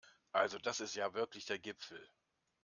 Also das ist ja wirklich der Gipfel!